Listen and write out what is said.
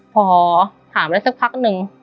พอผ่านไปสักพักนึง